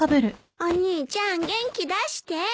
お兄ちゃん元気出して。